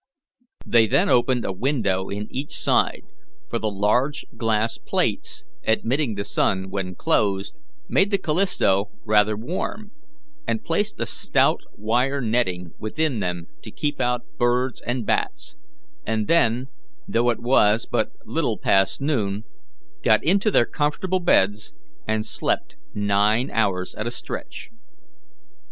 They then opened a window in each side for the large glass plates, admitting the sun when closed, made the Callisto rather warm and placed a stout wire netting within them to keep out birds and bats, and then, though it was but little past noon, got into their comfortable beds and slept nine hours at a stretch.